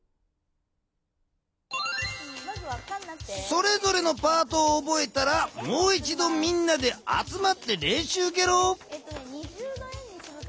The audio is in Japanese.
それぞれのパートを覚えたらもういちどみんなであつまってれんしゅうゲロ。